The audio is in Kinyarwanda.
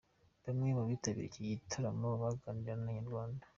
Bamwe mu bitabiriye iki gitaramo baganiriye na Inyarwanda.